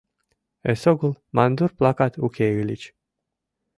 Эсогыл мандур-плакат уке ыльыч.